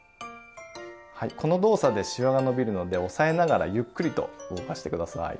はいこの動作でしわが伸びるので押さえながらゆっくりと動かして下さい。